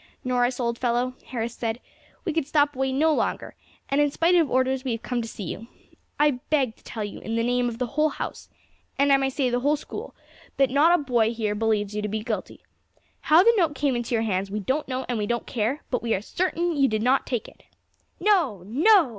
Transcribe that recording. "Norris, old fellow," Harris said, "we could stop away no longer, and in spite of orders we have come to see you. I beg to tell you in the name of the whole house, and I may say the whole School, that not a boy here believes you to be guilty. How the note came into your hands we don't know and we don't care, but we are certain you did not take it." "No! no!"